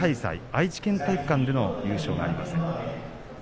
愛知県体育館での優勝がありません。